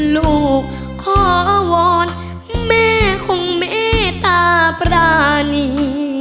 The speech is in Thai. ลูกขอวอนแม่ของเมตาปรานี